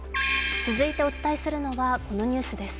続いてはお伝えするのはこのニュースです。